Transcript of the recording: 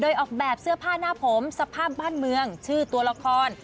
โดยออกแบบเสื้อผ้าหน้าผมสภาพบ้านเมืองชื่อตัวละคร